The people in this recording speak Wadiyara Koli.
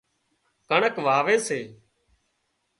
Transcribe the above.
ڪڻڪ واوي سي